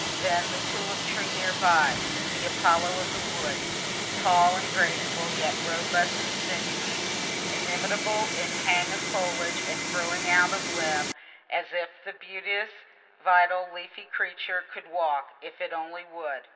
Then the tulip tree near by the Apollo of the woods tall and graceful, yet robust and sinewy, inimitable in hang of foliage and throwing out of limb; as if the beauteous, vital, leafy creature could walk, if it only would.